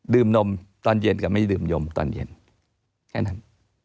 นมตอนเย็นกับไม่ได้ดื่มยมตอนเย็นแค่นั้น